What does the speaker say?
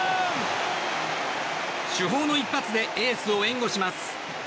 主砲の一発でエースを援護します。